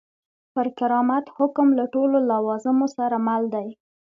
پر کرامت حکم له ټولو لوازمو سره مل دی.